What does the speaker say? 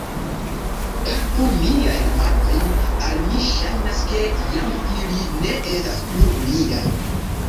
Palpu miajn manojn; al mi ŝajnas, ke jam ili ne estas plu miaj.